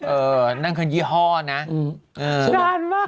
เออนั่นคือยี่ห้อนนะเออสนานมาก